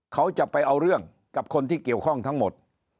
เขาจะไปเอาเรื่องกับคนที่เกี่ยวข้องทั้งหมด